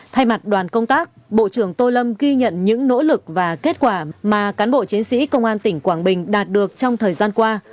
thay mặt đoàn công tác bộ trưởng tô lâm ghi nhận những nỗ lực và kết quả mà cán bộ chiến sĩ công an tỉnh quảng bình đạt được trong thời gian qua